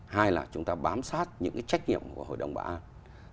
hai là chúng ta bám sát những cái trách nhiệm của hội đồng bảo an